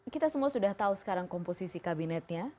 kita semua sudah tahu sekarang komposisi kabinetnya